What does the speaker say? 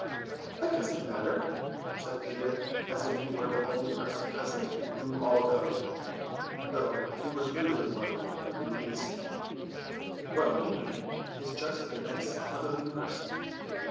"That doesn't matter," said Peter, as if he were the only person present who knew all about it, though he was really the one who knew least. "What we need is just a nice motherly person."